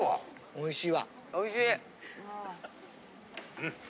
おいしい！